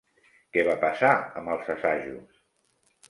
Què va passar amb els assajos?